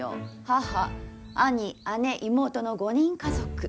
母兄姉妹の５人家族。